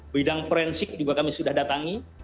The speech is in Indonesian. bidang forensik juga kami sudah datangi